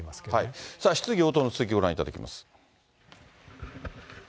けれさあ、質疑応答の続きをご覧いただきます。